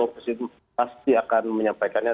presiden pasti akan menyampaikannya